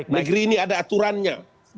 negeri ini ada aturannya